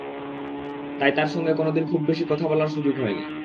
তাই তার সঙ্গে কোনো দিন খুব বেশি কথা বলার সুযোগ হয়নি।